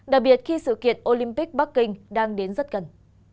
đặc biệt khi sự kiện olympic bắc kinh đang đến rất gần